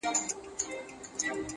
او دا کشره چي د کلي د مُلا ده-